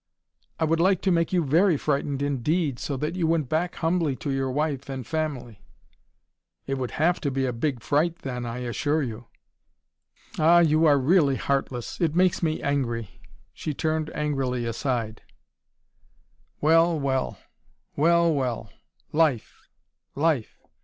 "I would like to make you very frightened indeed, so that you went back humbly to your wife and family." "It would HAVE to be a big fright then, I assure you." "Ah, you are really heartless. It makes me angry." She turned angrily aside. "Well, well! Well, well! Life! Life!